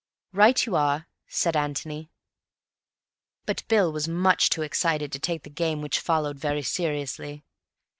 "Right you are," said Antony. But Bill was much too excited to take the game which followed very seriously.